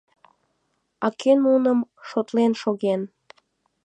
— А кӧ нуным шотлен шоген!